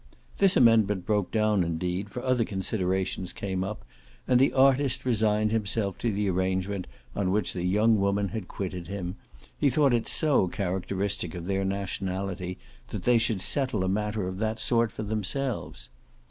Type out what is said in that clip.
This amendment broke down indeed, for other considerations came up and the artist resigned himself to the arrangement on which the young women had quitted him: he thought it so characteristic of their nationality that they should settle a matter of that sort for themselves.